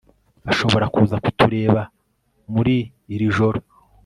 ashobora kuza kutureba muri iri joro